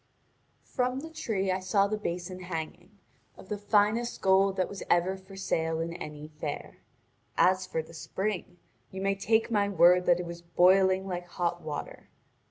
From the tree I saw the basin hanging, of the finest gold that was ever for sale in any fair. As for the spring, you may take my word that it was boiling like hot water.